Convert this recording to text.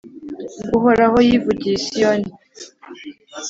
Uhoraho yivugiye i Siyoni,